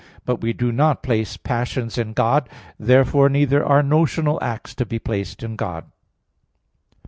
But we do not place passions in God. Therefore neither are notional acts to be placed in God.